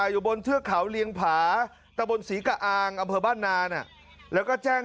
อยู่บนเทือกเขาเลี้ยงผาแต่บนสีกะอางอบเผิดบ้านนานอ่ะแล้วก็แจ้ง